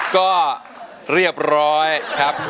ก็เรียบร้อยครับ